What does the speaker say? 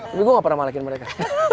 tapi gue gak pernah malakin mereka